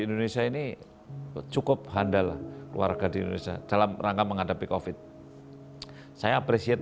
indonesia ini cukup handal keluarga di indonesia dalam rangka menghadapi kofit saya apresiasi